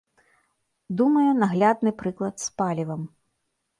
Думаю, наглядны прыклад з палівам.